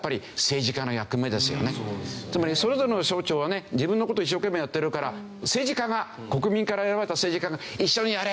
つまりそれぞれの省庁はね自分の事を一生懸命やってるから政治家が国民から選ばれた政治家が一緒にやれ！